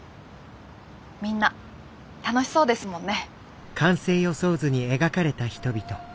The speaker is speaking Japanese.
みんな楽しそうですもんね。